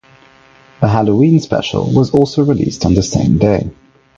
A Halloween special was also released on the same day.